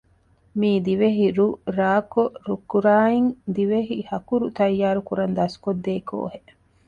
މިއީ ދިވެހި ރުއް ރާކޮށް ރުކުރާއިން ދިވެހިހަކުރު ތައްޔާރުކުރަން ދަސްކޮށްދޭ ކޯހެއް